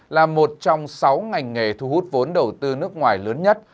là một trong sáu ngành nghề thu hút vốn đầu tư nước ngoài lớn nhất